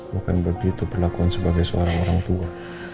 bahkan begitu perlakuan sebagai seorang orang tua